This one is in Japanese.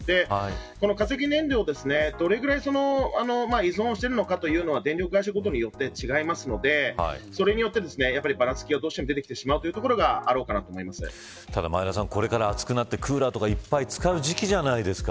この化石燃料にどれぐらい依存しているのかというのは電力会社ごとによって違いますのでそれによってばらつきがどうしても出てきてしまう前田さん、これから暑くなってクーラーいっぱい使う時期じゃないですか。